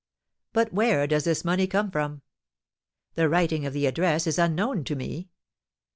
But where does this money come from? The writing of the address is unknown to me.